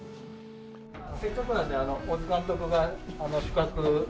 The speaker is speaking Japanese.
せっかくなんで小津監督が宿泊に。